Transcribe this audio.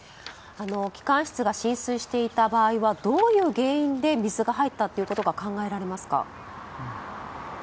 機関室が浸水していた場合はどういう原因で水が入ったことが考えられますか？